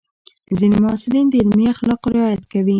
ځینې محصلین د علمي اخلاقو رعایت کوي.